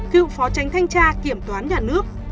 cựu phó chánh thanh tra kiểm toán nhà nước